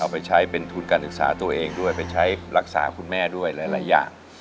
ไปใช้เป็นทุนการศึกษาตัวเองด้วยไปใช้รักษาคุณแม่ด้วยหลายอย่าง